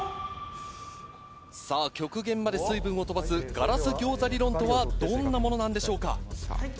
さぁ極限まで水分を飛ばすガラス餃子理論とはどんなものなんでしょうか。